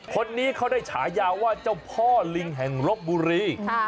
คนนี้เขาได้ฉายาว่าเจ้าพ่อลิงแห่งลบบุรี